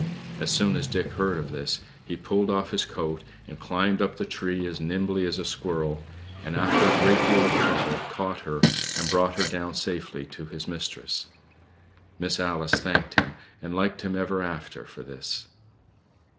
As soon as Dick heard of this, he pulled off his coat, and climbed up the tree as nimbly as a squirrel; and, after a great deal of trouble, caught her and brought her down safely to his mistress. Miss Alice thanked him, and liked him ever after for this.